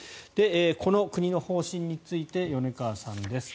この国の方針について米川さんです。